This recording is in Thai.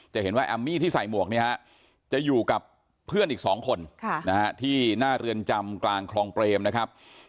จะเห็นว่าแอมมี่ที่ใส่หมวกเนี่ยฮะจะอยู่กับเพื่อนอีก๒คนที่หน้าเรือนจำกลางคลองเปรมนะครับ